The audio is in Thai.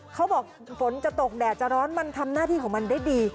เขาบอกฝนจะตกแดดจะร้อนมันทำหน้าที่ของมันได้ดี